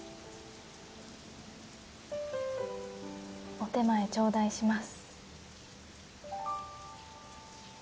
お点前ちょうだいします。